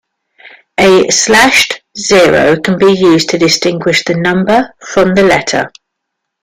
A slashed zero can be used to distinguish the number from the letter.